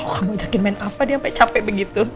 kamu ajakin main apa nih nyampe capek begitu